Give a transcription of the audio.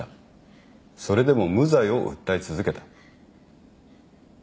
それでも無罪を訴え続けた。